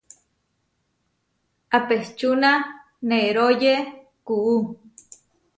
Apečúna neróye kuú.